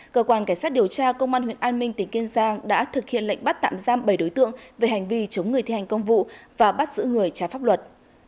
cơ quan cảnh sát điều tra công an huyện an minh tỉnh kiên giang đã thực hiện lệnh bắt tạm giam bảy đối tượng về hành vi chống người thi hành công vụ và bắt giữ người trái pháp luật